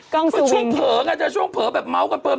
กล้องสูงช่วงเผลอกันแต่ช่วงเผลอแบบเมาท์ก่อนเติม